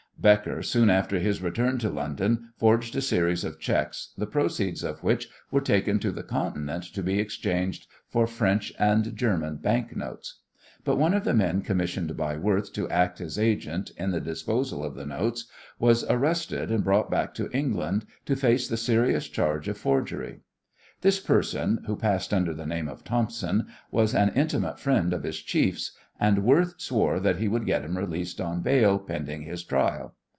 Becker, soon after his return to London, forged a series of cheques, the proceeds of which were taken to the Continent to be exchanged for French and German banknotes. But one of the men commissioned by Worth to act as his agent in the disposal of the notes was arrested and brought back to England to face the serious charge of forgery. This person, who passed under the name of Thompson, was an intimate friend of his chiefs, and Worth swore that he would get him released on bail pending his trial.